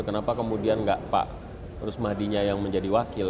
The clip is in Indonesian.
kenapa kemudian enggak pak rosmadinya yang menjadi wakil